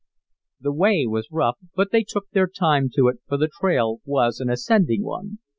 The way was rough but they took their time to it, for the trail was an ascending one.